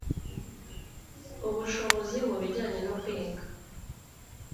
ubushobozi mu bijyanye no kwiga